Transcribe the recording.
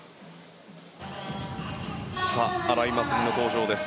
荒井祭里の登場です。